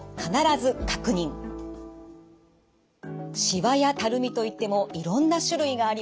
しわやたるみといってもいろんな種類があります。